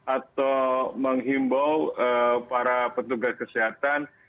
atau menghimbau para petugas kesehatan